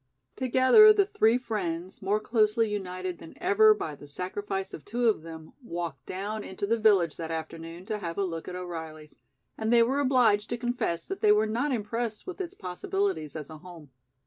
Together the three friends, more closely united than ever by the sacrifice of two of them, walked down into the village that afternoon to have a look at O'Reilly's, and they were obliged to confess that they were not impressed with its possibilities as a home.